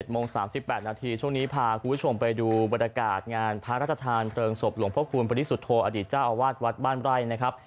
โมง๓๘นาทีช่วงนี้พาคุณผู้ชมไปดูบรรยากาศงานพระราชทานเพลิงศพหลวงพระคูณปริสุทธโธอดีตเจ้าอาวาสวัดบ้านไร่นะครับ